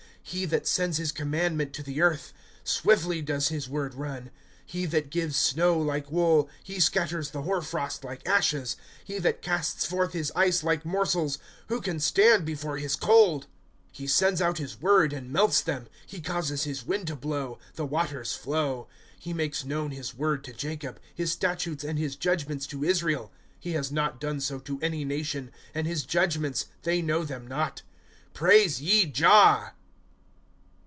^* He that sends his commandment to the earth ; Swiftly does hia word run. ^® He that gives snow like wool ; He scatters the hoar frost like ashes. ^■^ He tiiat casts forth his ice like morsels ; Who can stand before his cold ?^^ Ho sends out his word and melts them ; He causes his wind to blow, the waters flow. '^ He makes known his word to Jacob, His statutes and his judgments to Israel. *^ He has hot done so to any nation ; And his judgments, they know them not. Praise ye Jah.